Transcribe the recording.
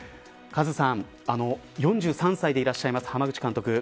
カズさん、４３歳でいらっしゃいます濱口監督